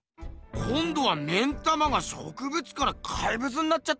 こんどは目ん玉が植物から怪物になっちゃったぞ。